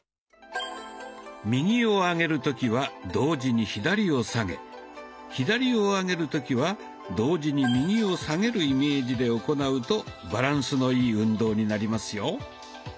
右を上げる時は同時に左を下げ左を上げる時は同時に右を下げるイメージで行うとバランスのいい運動になりますよ。